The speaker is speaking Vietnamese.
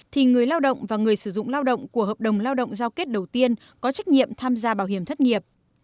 thì người lao động và người sử dụng lao động của hợp đồng lao động giao kết đầu tiên có trách nhiệm tham gia bảo hiểm thất nghiệp